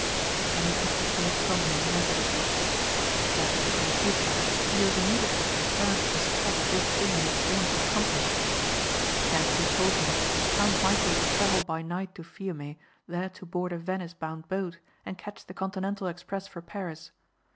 Then he put the thought from him resolutely. That was in the future and he was immediately concerned with the success of this thing he had sworn to accomplish. Hentzi told him that Count Michæl would travel by night to Fiume there to board a Venice bound boat and catch the continental express for Paris.